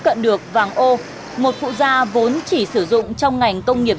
từ hàn the màu công nghiệp